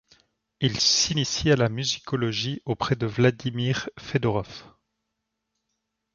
Il s'initie à la musicologie auprès de Vladimir Fedoroff.